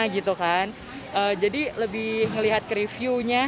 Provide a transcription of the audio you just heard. jadi lebih melihat ke reviewnya